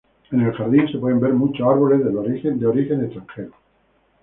En el jardín se pueden ver muchos árboles del origen extranjero.